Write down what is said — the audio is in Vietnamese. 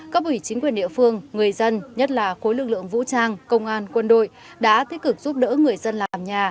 các ủy chính quyền địa phương người dân nhất là khối lực lượng vũ trang công an quân đội đã tích cực giúp đỡ người dân làm nhà